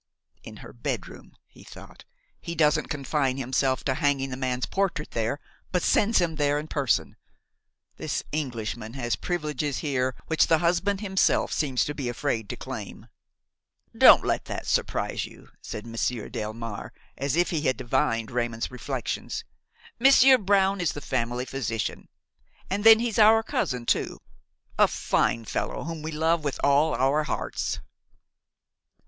"In her bedroom!" he thought. "He doesn't confine himself to hanging the man's portrait there, but sends him there in person. This Englishman has privileges here which the husband himself seems to be afraid to claim." "Don't let that surprise you," said Monsieur Delmare, as if he had divined Raymon's reflections; "Monsieur Brown is the family physician; and then he's our cousin too, a fine fellow whom we love with all our hearts."